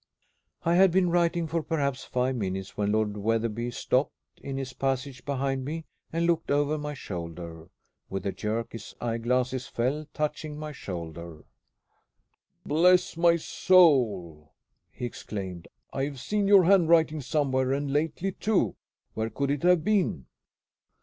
I had been writing for perhaps five minutes when Lord Wetherby stopped in his passage behind me and looked over my shoulder. With a jerk his eye glasses fell, touching my shoulder. "Bless my soul!" he exclaimed, "I have seen your handwriting somewhere; and lately too. Where could it have been?"